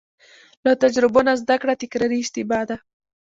له تجربو نه زده کړه تکراري اشتباه ده.